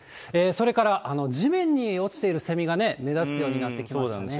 それから地面に落ちているせみが目立つようになってきましたね。